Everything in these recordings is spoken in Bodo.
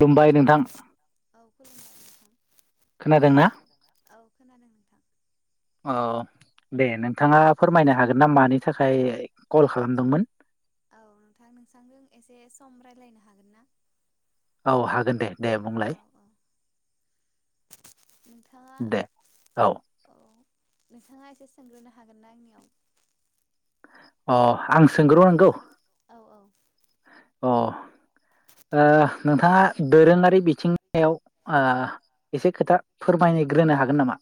खुलुमबाय हेल' औ नोंथां खुलुमबाय नोंथां। खोनादोंना औ खोनादों नोंथां औ दे नोंथाङा फोरमायनो हागोन नामा मानि थाखाय कल खालामदोंमोन? औ नोंथां नोंसांजों एसे सम रायज्लायनो हागोन ना? औ हागोन दे दे बुंलाय औ औ नोंथाङा दे औ। नोंथाङा एसे सोंग्रोनो हागोन ना आंनियाव अ आं सोंग्र' नांगौ। औ औ अ ओ नोंथाङा दोरोङारि बिथिङाव ओ एसे खोथा फोरमायग्रोनो हागोन नामा?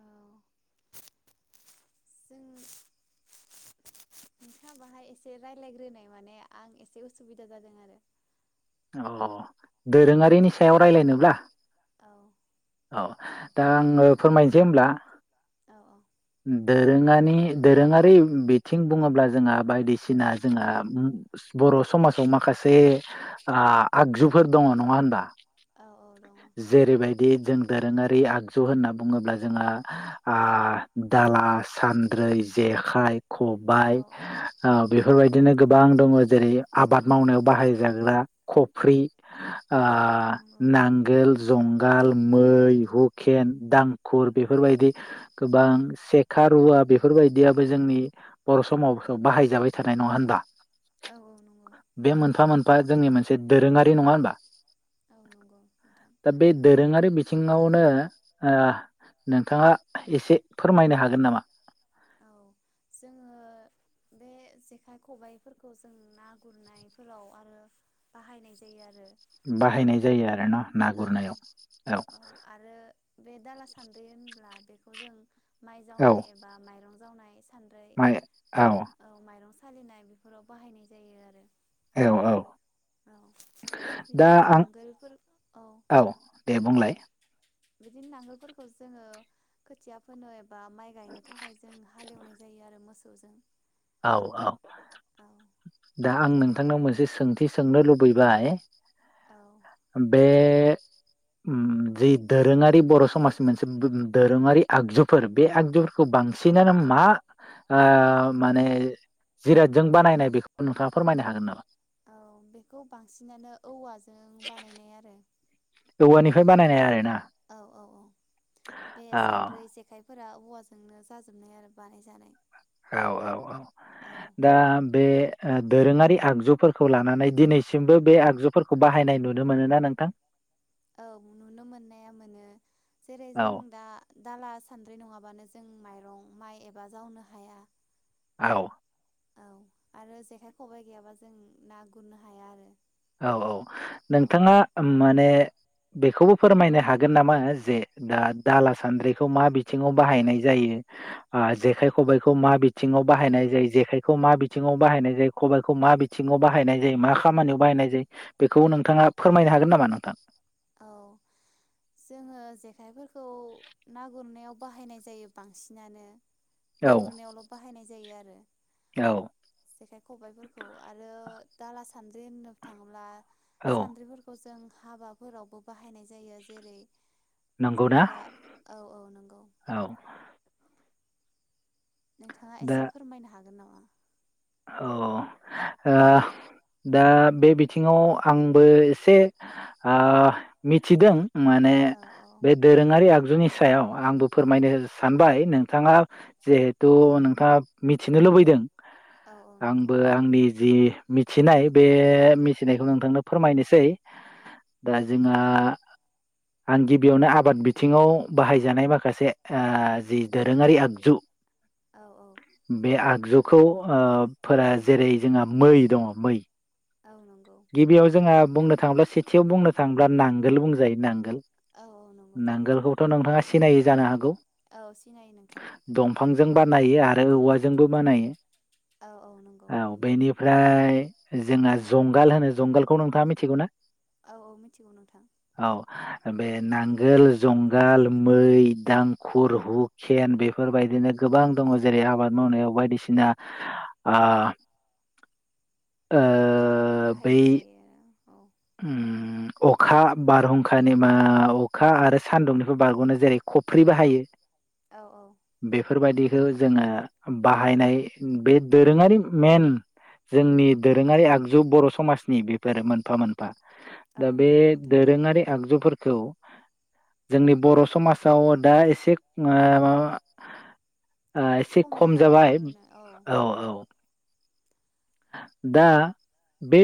औ जों नोंथाङा बाहाय एसे रायलायग्रोनाय माने आं एसे उसुबिदा जादों आरो। अ औ दोरोङारिनि सायाव रायलायनोब्ला औ औ दा आङो फोरमायनोसै होमब्ला। औ औ दोरोङारि दोरोङारि बिथिं बुङोब्ला जोंहा बायदिसिना जोंहा बर' समाजाव माखासे आ आगजुफोर दङ नङा होनबा? औ औ दङ। बिदि जों दोरोङारि आगजु होनना बुङोब्ला जोंहा ओ दाला सान्द्रै जेखाइ औ खबाय औ ओ बे बेफोरबायदिनो गोबां दङ जेरै आबाद मावनायाव बाहायजाग्रा खफ्रि ओ औ नंगौ नांगोल जंगाल मै हुकेन दांखुर बेफोरबायदि गोबां सेखा रुवा बेफोरबायदियाबो जोंनि बर' समाजाव बाहायजाबाय थानाय नङा होनबा। औ औ नंगौ बे मोनफा मोनफा बा जोंनि मोन एसे दोरोङारि नङा होनबा औ नंगौ नोंथां दा बे दोरोङारि बि बिथिङावनो ओ नोंथाङा एसे फोरमायनो हागोन नामा? औ जोङो बे जेखाइ खबाइफोरखौ जों ना गुरनायफोराव आरो बाहायनाय जायो आरो। बाहायनाय जायो आरो ना ना औ गुरनायाव औ बे दाला सान्द्रि होनब्ला बेखौ जों माइ औ जावनाय एबा माइ रन जावनाय सान्दै माइ औ ओं माइरं सालिनाय बेफोराव बाहायनाय जायो आरो। औ औ औ दा बिदिनो आं नांगोलफोर औ दे बुंलाय बिदिनो नांगोलफोरखौ जोङो खोथिया फोनो बा माइ गायनो थाखाय जों हालेवनाय जायो आरो मोस सौजों औ औ औ दा आं नोंथांनाव मोनसे सोंथि सोंनो लुबैबाय। औ बे बे उम जि दोरोङारि बर' समाजनि मोनसे दोरोङारि आगजुफोर बे आगजुफोरखौ बांसिनानो मा ओ माने जिरादजों बानायनाय बेखौ नोंथाङा फोरमायनो हागोन नामा औ बेखौ बांसिनानो औवाजों बानायनाय आरो औवानिफ्राय बानायनाय आरो ना। औ औ औ बे औ सानद्रै जेखाइ फोर औवाजोंनो जाजोबनाय आरो बानाय जानाय। औ औ औ दा बे ओ दोरोङारि आगजुफोरखौ लानानै दिनैसिमबो बे आगजुफोरखौ बाहायनाय नुनो मोनोना नोंथां औ नुनो मोननाया मोनो जेरै औ जों दा दाला सान्द्रि नङाबानो जों माइरं माइ एबा जावनो हाया औ औ आरो जेखाइ खबाइ गैयाबा जों ना गुरनो हाया आरो औ औ औ नोंथाङा माने बेखौबो फोरमायनो हागोन नामा जे दा दाला सान्द्रिखौ मा बिथिङाव बाहायनाय जायो ओ जेखाय खबाइखौ मा बिथिङाव बाहायनाय जायो जेखायखौ मा बिथिङाव बाहायनाय जायो खबाइखौ मा बिथिङाव बाहायनाय जायो मा खामानियाव बाहायनाय जायो। बेखौ नोंथाङा फोरमायनो हागोन नामा नोंथां? औ जोङो जेखाइफोरखौ ना गुरनायाव बाहायनाय जायो बांसिनानो ना औ गुरनायावल' बाहायनाय जायो आरो औ जेखाय खबायफोर खौ आरो दाला सानद्रि होननो थाङोब्ला औ सानद्रिफोरखौ जों हाबा फोरावबो बाहायनाय जायो जेरै नंगौ ना माबा औ औ नंगौ औ नोंथाङा दा एसे फोरमायनो हा ओ अ दा बे बिथिङाव आंबो एसे ओ मिथिदों। माने औ औ बे दोरोङारि आग जुनि सायाव आंबो फोरमायनो सानबाय नोंथाङा जिहेथु नोंथाङा मिथिनो लुबैदों। औ औ नंगौ आंबो आंनि जि मिथिनाय बे मिथिनायखौ नोंथांनो फोरमायनोसै दा जोंहा आं गिबियावनो आबाद बिथिङाव बाहायजानाय माखासे ओ जि दोरोङारि आगजु औ औ जुखौ ओ फोरा जेरै जोंहा मै दङ मै औ नंगौ गिबियाव जोंहा बुंनो थाङोब्ला सेथियाव बुंनो थाङोब्ला नांगोल बुंजायो नांगोल औ औ नंगौ थारैनो नांगोलखौथ' नोंथाङा सिनायै जानो हागौ औ सिनायो नोंथां जों बानायो आरो औवाजोंबो बानायो। औ औ नंगौ फ्राय जोंना जं गाल होनो जंगालखौ नोंथाङा मिथिगौना? औ औ मिथिगौ नोंथां बे नांगोल जुंगाल मै दांखुर हुखेन बेफोरबायदिनो गोबां दङ जेरै आबाद मावनायाव बायदिसिना अ ओ बाहायनाय जायो ओ उ अखा बारहुंखानि मा अखा आरो सानदुंनिफ्राय बारग'नो जेरै खफ्रि बाहायो। औ औ बेफोरबादि खौ जोङो बाहायनाय बे दोरोङारि मेन जोंनि दोरोङारि आगजु बर' समाजनि बेफोर मोनफा औ दा बे नंगौ नोंथां दोरोङारि आगजुफोर। खौ जोंनि बर' समाजाव दा एसे ओ माबा ओ एसे खम जाबाय औ औ। दा बे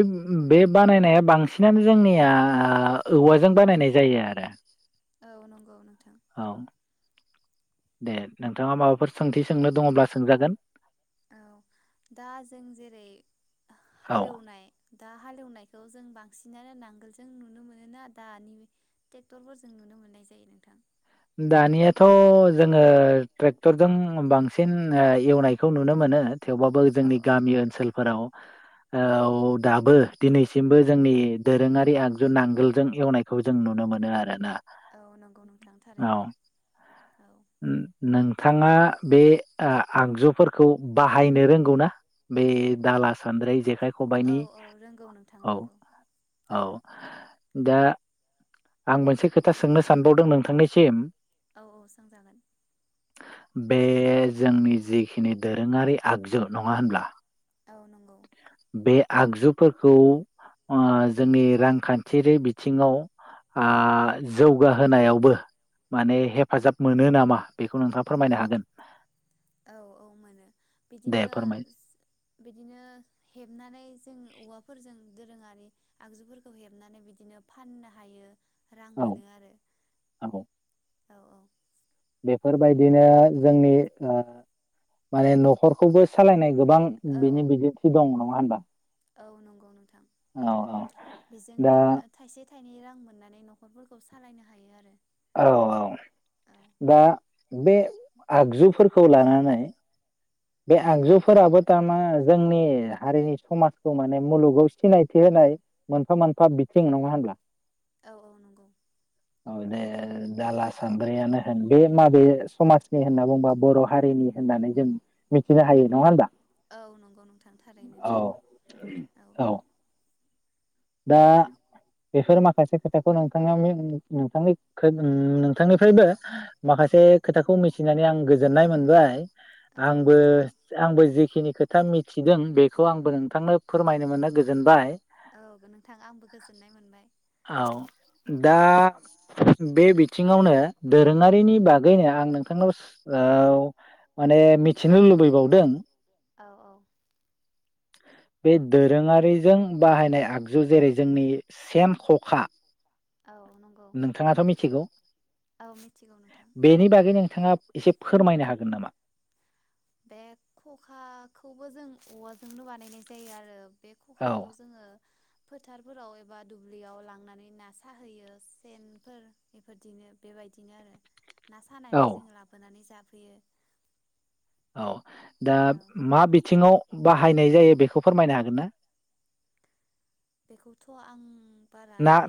बे बानायनाया बां सिनानो जोंनिया औवाजों बानायनाय जायो आरो। औ नंगौ नोंथां। औ दे नोंथाङा माबाफोर सोंथि सोंनो दङब्ला सोंजागोन औ दा जों जेरै औ हालेवनाय दा हालेवनायखौ जों बांसिनानो नांगोल जों नुनो मोन ना दानि ट्रेक्टरफोर जों नुनो मोननाय जायो नोंथां। दानियाथ' जोङो ट्रेक्टरजों बांसिन ओ एवनायखौ नुनो मोनो। थेवबाबो औ जोंनि औ गामि ओनसोलफोराव ओ दाबो दिनैसिमबो जोंनि दोरोङारि आगजु नांगोलजों एवनायखौ जों नुनो मोनो आरोना। औ नंगौ नोंथां। थारैनो औ नोंथाङा बे आ आगजुफोरखौ बाहायनो रोंगौ ना बे दाला सान्द्रि जेखाय औ खबाइनि औ रोंगौ नोंथां औ रोंगौ औ। दा आं मोनसे खोथा सोंनो सानबावदों नोंथांनिसिम। औ औ सोंजागोन? बे जोंनि जिखिनि दोरोङारि आगजु नङा होनब्ला। औ नंगौ। बे आगजुफोरखौ ओ जोंनि रांखान्थियारि बिथिङाव आ जौगाहोनायावबो माने हेफाजाब मोनो नामा बेखौ नोंथाङा फोरमायनो हागोन। औ औ मोनो दे बिदिनो फोरमाय बिदिनो हेबनानै जों औवाफोरजों दोरोङारि आगजुफोरखौ हेबनानै बिदिनो फाननो हायो। रां औ मोनो आरो। औ औ औ। बेफोरबायदिनो जोंनि ओ माने न'खरखौबो सालायनाय गोबां बिनि बिदिन्थि दं नामा? [unintelligible] औ नंगौ नोंथां औ बेजोंनो दा थाइसे थाइनै रां मोननानै न'खरफोरखौ सालायनो हायो आरो। औ औ दा बे आगजुफोरखौ लानानै बे औ आगजुफोराबो थारमा जोंनि हारिनि समाजखौ माने मुलुगाव सिनायथि होनाय मोनफा मोनफा बिथिं नङा होनब्ला औ औ नंगौ औ दे दाला सानद्रियानो होन बे माबे समाजनि होनना बुंबा बर' हारिनि होननानै जों मिथिनो हायो नङा होनबा औ नंगौ नोंथां थारैनो औ नंगौ औ दा बेफोर माखासे खोथाखौ नोंथां नोंथांनि ओ नोंथांनिफ्रायबो माखासे खोथाखौ मिथिनानै आं गोजोननाय मोनबाय औ आंबो नोंथां आंबो जिख जिखिनि खोथा मिथिदों बेखौ आंबो नोंथांनो फोरमायनो मोननो गोजोनबाय औ नोंथां आंबो गोजोननाय मोनबाय औ दा बे बिथिङावनो दोरों ङारिनि बागैनो आं नोंथांनाव माने मिथिनो लुबैबावदों औ औ बे दोरोङारिजों बाहायनाय आगजु जेरै जोंनि सेन खखा औ नंगौ नोंथाङाथ' मिथिगौ औ मिथिगौ नोंथां बिथाङा एसे फोरमायनो हागोन नामा? बे खखाखौबो जों औवाजोंनो बानायनाय जायो आरो बे औ खखाखौ जोङो फोथारफोराव एबा दुब्लियाव लांनानै ना साहैयो सेनफोर बेफोरदिनो बेबायदिनो आरो ना औ सानानै जोंङो लाबोनानै जा फैयो औ दा मा बिथिङाव बाहायनाय जायो बेखौ फोरमायनो हागोन ना? बेखौथ' आं बारा ना ओरै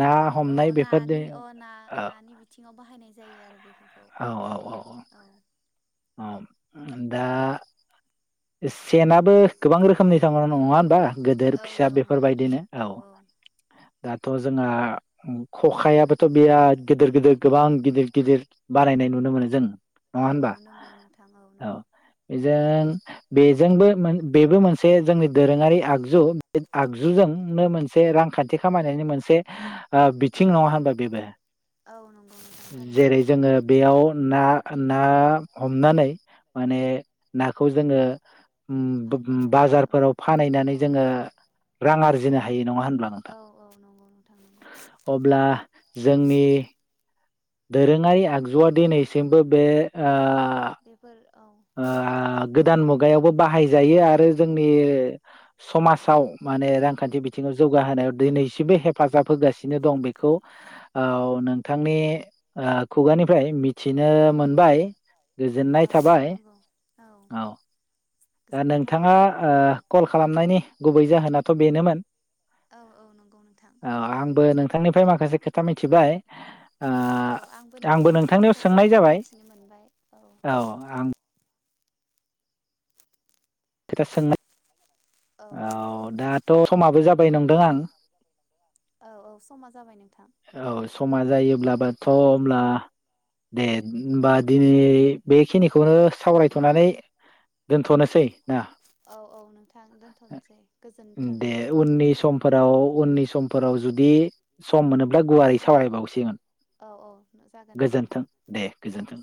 ना अ हमनाय बेफोरदि नानि अ ना औ नानि बिथिङाव बाहायनाय जायो आरो बे औ औ औ औ दा सेनाबो गोबां रोखोमनि थां नङा होनोमबा गिदोर औ फिसा दङ नोंथां बेफोरबायदिनो औ दाथ' जोंहा खखायाबोथ' बिराद गिदिर गिदिर गोबां गिदिर गिदिर बारायनाय नुनो मोनो जों नङा औ होनबा नुनो मोनो नोंथां औ नंगौ बेजोंबो बेबो मोनसे जोंनि दोरोङारि आगजु बे आगजुजोंनो मोनसे रांखान्थि खामायनायनि मोनसे बिथिं नङा होनबा बेबो औ नंगौ नोंथां थारैनो जेरै नंगौ जोङो बेयाव ना ना हमनानै माने ना खौ जोङो फाननो हायो औ बाजारफोराव फानहैनानै औ जोङो रां आरजिनो हायो नङा होनब्ला नोंथां औ औ नंगौ नोंथां नंगौ अब्ला जोंनि दोरोङारि आगजुआ दिनैसिमबो बे ओ बेफोर औ ओ गोदान मुगा गायावबो बाहायजायो आरो जोंनि समाजाव माने रांखान्थि बिथिङाव जौगाहोनायाव दिनैसिमबो हेफाजाब होगासिनो दं बेखौ ओ नोंथांनि खुगानिफ्राय ओ मिथिनो मोनबाय। औ गोजोननाय थाबाय। नंगौ औ दा गोजोननाय थाबाय नोंथाङा नोंथां कल ओ खालामनायनि गुबै जाहोनाथ' बेनोमोन औ औ नंगौ नोंथां औ आंबो नोंथांनिफ्राय माखासे खोथा मिथिबाय। ओ औ आंबो नोंथांनिफ्राय नोंथांनियाव माखासे सोंनाय खोथा जाबाय मिथिनो मोनबाय औ। खोथा सों औ दा थ' समाबो जाबाय नंदों आं औ औ समा जाबाय नोंथां औ समा जायोब्लाबोथ' होनब्ला दे ओमबा दिनै बेखिनिखौनो सावरायथ'नानै दोनथ'नोसै। ना औ औ नोंथां दोनथ'नोसै गोजोनथों दे नोंथां। उननि समफोराव उननि समफोराव जुदि सम मोन बा गुवारै सावरायबावसिगोन औ औ जागोन दे नोंथां गोजोन्थों दे गोजोन्थों।